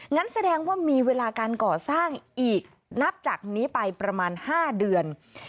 งั้นแสดงว่ามีเวลาการก่อสร้างอีกนับจากนี้ไปประมาณ๕เดือน